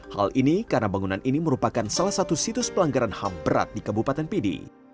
hal ini karena bangunan ini merupakan salah satu situs pelanggaran ham berat di kabupaten pidi